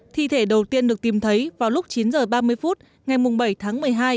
thi thể đầu tiên được tìm thấy vào lúc chín h ba mươi phút ngày bảy tháng một mươi hai